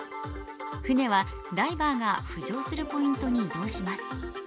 船はダイバーが浮上するポイントに移動します。